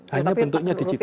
hanya bentuknya digital